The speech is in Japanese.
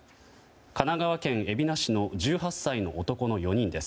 神奈川県海老名市の１８歳の男の４人です。